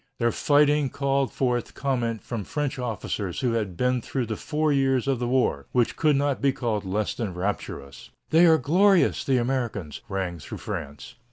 Their fighting called forth comment from French officers who had been through the four years of the war, which could not be called less than rapturous. "They are glorious, the Americans," rang through France.